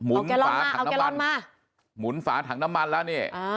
หมุนฝาถังน้ำมันเอาแกลลอนมาหมุนฝาถังน้ำมันแล้วนี่อ่า